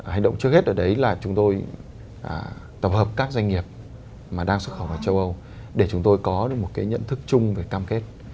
hành động trước hết ở đấy là chúng tôi tập hợp các doanh nghiệp mà đang xuất khẩu vào châu âu để chúng tôi có được một cái nhận thức chung về cam kết